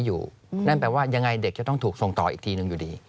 นั่นแปลว่ายังไงเด็กจะต้องถูกส่งต่ออีกทีหนึ่งอยู่ดี